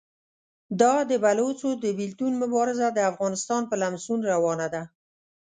دا د بلوڅو د بېلتون مبارزه د افغانستان په لمسون روانه ده.